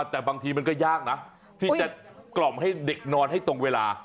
แต่บางทีมันก็ยากนะที่จะกล่อมให้เด็กนอนให้ตรงเวลา